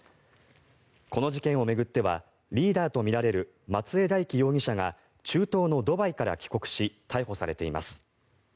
この事件を巡ってはリーダーとみられる松江大樹容疑者が中東のドバイから帰国し逮捕されています。